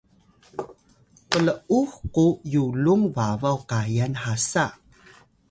Yayut: pl’ux ku yulung babaw kayan hasa